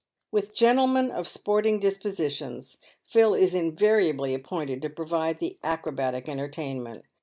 With gentlemen of sporting dispositions Phil is invariably appointed to provide the acrobatic entertainment.